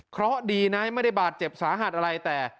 เพราะดีนะไม่ได้บาดเจ็บสาหัสอะไรแต่